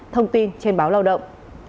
thông tin trên báo lao động